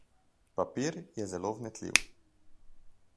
Papir je zelo vnetljiv.